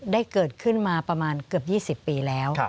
เกิดขึ้นมาประมาณเกือบ๒๐ปีแล้ว